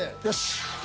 よし！